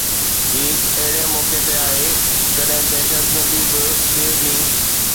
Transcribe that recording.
هي هڪ اهڙي موقعي تي آهي جڏهن دهشتگرد به ٻئي ڏينهن